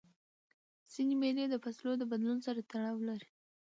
ځیني مېلې د فصلو د بدلون سره تړاو لري.